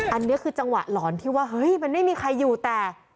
อันนี้คือจังหวะหลอนที่ว่าเฮ้ยมันไม่มีใครอยู่แต่